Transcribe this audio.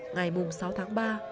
ngày sáu tháng ba